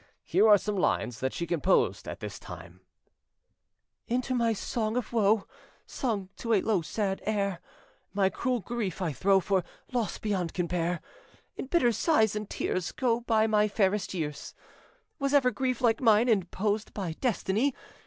Here are some lines that she composed at this time:— "Into my song of woe, Sung to a low sad air, My cruel grief I throw, For loss beyond compare; In bitter sighs and tears Go by my fairest years. Was ever grief like mine Imposed by destiny?